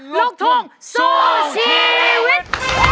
ลูกทุ่งสู้ชีวิต